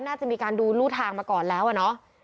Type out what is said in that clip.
น่าจะมีการดูรูทางมาก่อนแล้วอะเนาะ